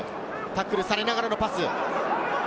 タックルされながらのパス。